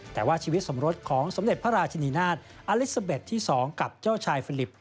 แต่ว่าชีวิตสมรสของสมเด็จพระราชินีนาฏอลิซาเบ็ดที่๒กับเจ้าชายฟิลิป